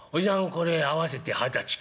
これ合わせて二十歳か」。